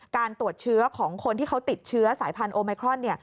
การตรวจเชื้อของคนที่เขาติดเชื้อสายพันธุไมครอน